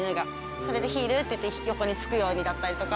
それでヒールって言って横につくようにだったりとか。